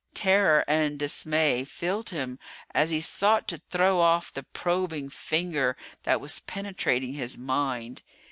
Terror and dismay filled him as he sought to throw off the probing finger that was penetrating his mind.